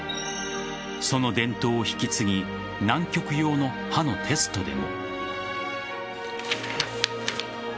その伝統を引き継ぎ南極用の刃のテストでも。